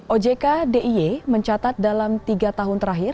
ojk d i e mencatat dalam tiga tahun terakhir